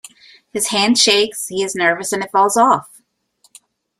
His hand shakes, he is nervous, and it falls off.